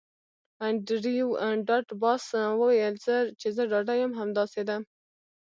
انډریو ډاټ باس وویل چې زه ډاډه یم همداسې ده